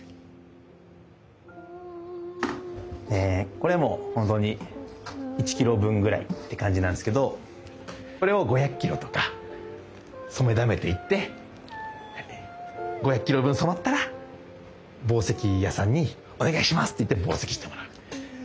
これもう本当に１キロ分ぐらいって感じなんですけどこれを５００キロとか染めだめていって５００キロ分染まったら紡績屋さんにお願いしますって言って紡績してもらう。